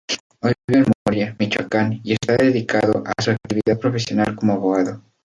Hoy vive en Morelia, Michoacán y está dedicado a su actividad profesional como abogado.